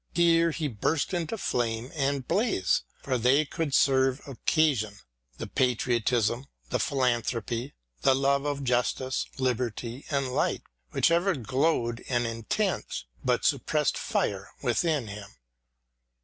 Here burst into flame and blaze — ^for they could serve occasion — the patriotism, the philanthropy, the love of justice, liberty, and light which ever glowed an intense but suppressed fire within him.